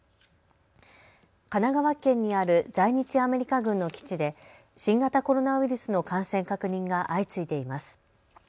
神奈川県にある在日アメリカ軍の基地で新型コロナウイルスの感染確認が相次いでいます。